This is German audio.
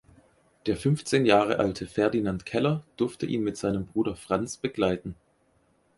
Der fünfzehn Jahre alte Ferdinand Keller durfte ihn mit seinem Bruder Franz begleiten.